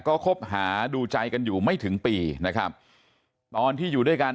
ก็คบหาดูใจกันอยู่ไม่ถึงปีนะครับตอนที่อยู่ด้วยกัน